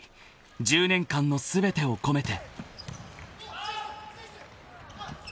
１０年間の全てを込めて］